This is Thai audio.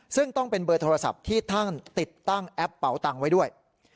ซึ่งต้องเป็นเบอร์โทรศัพท์ที่ท่านติดตั้งแอปเป๋าตังค์ไว้ด้วย